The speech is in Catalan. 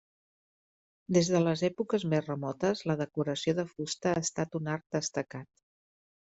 Des de les èpoques més remotes la decoració de fusta ha estat un art destacat.